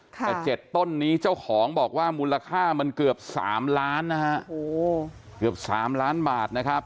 แต่๗ต้นนี้เจ้าของบอกว่ามูลค่ามันเกือบ๓ล้านนะฮะเกือบ๓ล้านบาทนะครับ